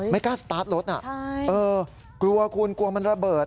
ไม่กล้าสตาร์ทรถกลัวคุณกลัวมันระเบิด